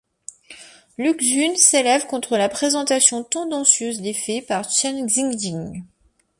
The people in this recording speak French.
Lu Xun s'élève contre la présentation tendancieuse des faits par Chen Xiying.